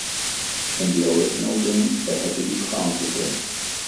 In the original game they had to be crowned to win.